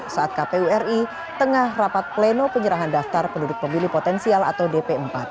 saat kpu ri tengah rapat pleno penyerahan daftar penduduk pemilih potensial atau dp empat